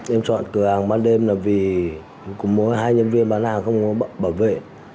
em chọn cửa hàng ban đêm là vì cũng có hai nhân viên bán hàng không có bảo vệ